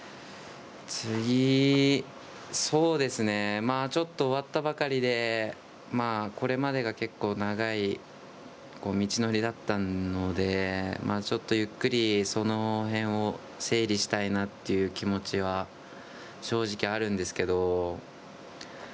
次そうですねちょっと終わったばかりでこれまでが結構長い道のりだったのでちょっとゆっくり、そのへんを整理したいなという気持ちは正直あるんですけど。